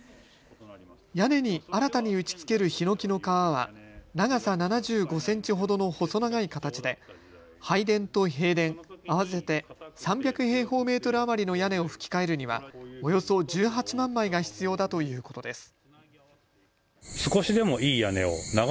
屋根に新たに打ちつけるひのきの皮は長さ７５センチほどの細長い形で拝殿と幣殿、合わせて３００平方メートル余りの屋根をふき替えるにはおよそ１８万枚が必要だということです。